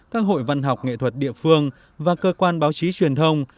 các hội văn học nghệ thuật địa phương và cơ quan báo chí truyền thông